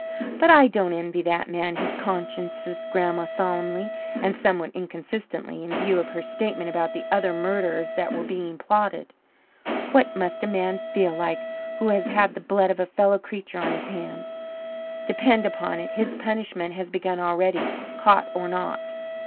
"But I don't envy that man his conscience," said Grandma solemnly and somewhat inconsistently, in view of her statement about the other murders that were being plotted. "What must a man feel like who has the blood of a fellow creature on his hands? Depend upon it, his punishment has begun already, caught or not."